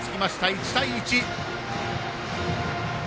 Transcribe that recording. １対１。